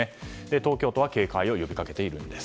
東京都は警戒を呼びかけているんです。